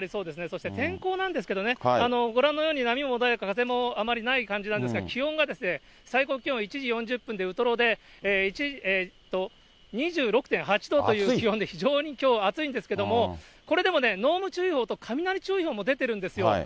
そして天候なんですけど、ご覧のように波も穏やか、風もあまりないような感じなんですが、気温が、最高気温、１時４０分でウトロで２６．８度という気温で、非常にきょう、暑いんですけども、これでもね、濃霧注意報と雷注意報も出てるんですよ。